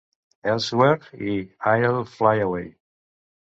Elsewhere" i "I'll Fly Away".